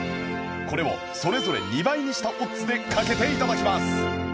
これをそれぞれ２倍にしたオッズで賭けていただきます